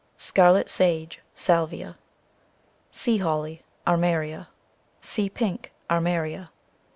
Scarlet Sage, (t Salvia. Sea Holly, C( Armeria. Sea Pink, ct Armeria.